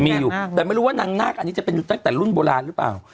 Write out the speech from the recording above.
มีอยู่แต่ไม่รู้ว่านางนาคอันนี้จะเป็นตั้งแต่รุ่นโบราณหรือเปล่า